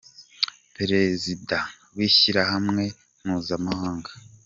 Perezida w’ishyirahamwe mpuzamahanga.